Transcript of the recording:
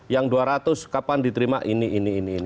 yang dua ratus kapan diterima ini ini ini